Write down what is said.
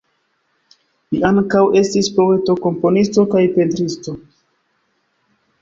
Li ankaŭ estis poeto, komponisto kaj pentristo.